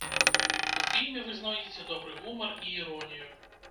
У фільме вы знойдзеце добры гумар і іронію.